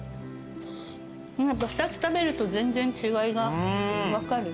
２つ食べると全然違いが分かる？